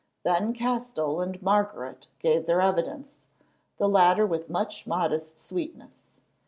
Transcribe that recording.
Then Castell and Margaret gave their evidence, the latter with much modest sweetness.